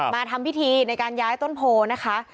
มาทำพิธีในการย้ายต้นโพนะคะ